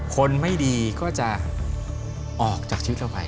คนไม่ดีก็จะออกจากชีวิตเราไป